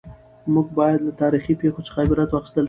موږ باید له تاریخي پېښو څخه عبرت واخیستل شي.